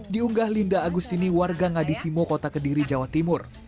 diunggah linda agustini warga ngadisimo kota kediri jawa timur